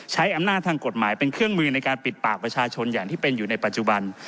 ใช้อำนาจทางกฎหมายเป็นเครื่องมือในการปิดปากประชาชนอย่างที่เป็นอยู่ในปัจจุบัน